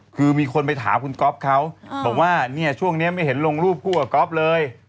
คือมีคนไปถามคุณก๊อฟเขาบอกว่าเนี่ยช่วงนี้ไม่เห็นลงรูปคู่กับก๊อฟเลย